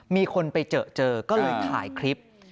มีคนไปเจอเจอก็เลยถ่ายคลิป